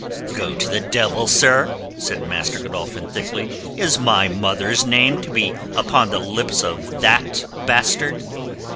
"Go to the devil, sir," said Master Godolphin thickly. "Is my mother's name to be upon the lips of that bastard?